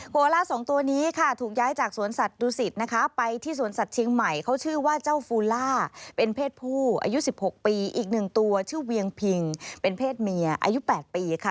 โลล่า๒ตัวนี้ค่ะถูกย้ายจากสวนสัตวศิษฐ์นะคะไปที่สวนสัตว์เชียงใหม่เขาชื่อว่าเจ้าฟูล่าเป็นเพศผู้อายุ๑๖ปีอีกหนึ่งตัวชื่อเวียงพิงเป็นเพศเมียอายุ๘ปีค่ะ